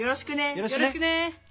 よろしくね。